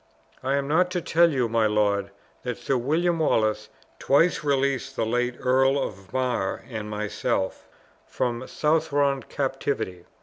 "I am not to tell you, my lord, that Sir William Wallace twice released the late Earl of Mar and myself from Southron captivity.